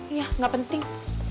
iya gak penting